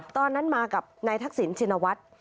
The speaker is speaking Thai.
ตอนนั้นมากับนายทักษิณชินวัฒน์